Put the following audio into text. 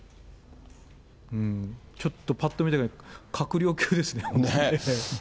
ちょっと、ぱっと見た感じ、閣僚級ですね。